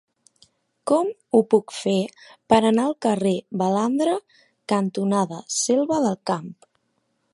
Com ho puc fer per anar al carrer Baladre cantonada Selva del Camp?